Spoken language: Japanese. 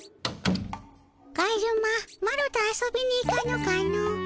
カズママロと遊びに行かぬかの。